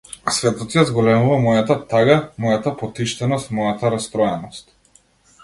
Светот ја зголемува мојата тага, мојата потиштеност, мојата растроеност.